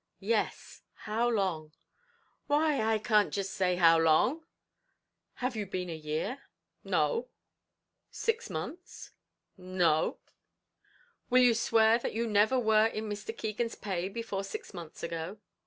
"Yes, how long?" "Why, I can't jist say how long." "Have you been a year?" "No." "Six months?" "No." "Will you swear that you never were in Mr. Keegan's pay before six months ago?"